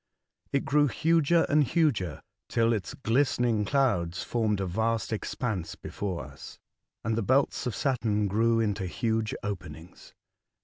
It grew huger and huger, till its glistening clouds formed a vast expanse before us, and the belts of Saturn grew into huge openings.